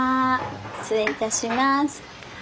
失礼いたします。